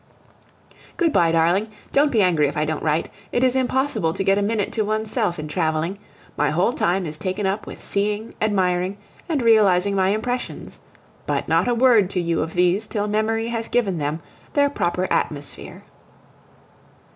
Good bye, darling. Don't be angry if I don't write. It is impossible to get a minute to oneself in traveling; my whole time is taken up with seeing, admiring, and realizing my impressions. But not a word to you of these till memory has given them their proper atmosphere.